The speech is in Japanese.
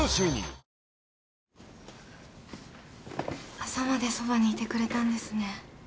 」朝までそばにいてくれたんですね。